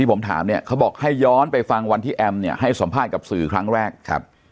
ผมถามเนี่ยเขาบอกให้ย้อนไปฟังวันที่แอมเนี่ยให้สัมภาษณ์กับสื่อครั้งแรกครับ